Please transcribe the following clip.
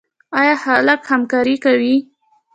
آیا خلک همکاري کوي؟